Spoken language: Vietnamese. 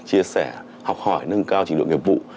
chia sẻ học hỏi nâng cao trình độ nghiệp vụ